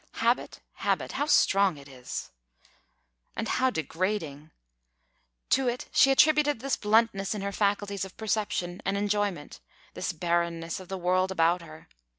Habit, habit; how strong it is! And how degrading! To it she attributed this bluntness in her faculties of perception and enjoyment, this barrenness of the world about her.